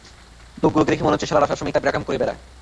লোকগুলোকে দেখে মনে হচ্ছে শালারা সবসময় এই টাইপের আকাম করে বেড়ায়।